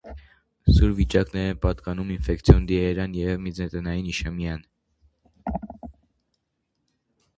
Սուր վիճակներին են պատկանում ինֆեկցիոն դիարեան և մեզենտերիկ իշեմիան։